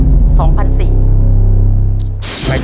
ตัวเลือกที่สี่คิทศกราช๒๐๐๔